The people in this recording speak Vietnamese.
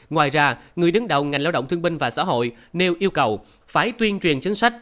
ngoài ra người đứng đầu ngành lao động thương binh và xã hội nêu yêu cầu phải tuyên truyền chính sách